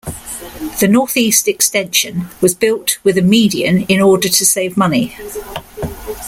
The Northeast Extension was built with a median in order to save money.